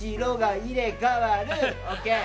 入れ替わるぅ。ＯＫ！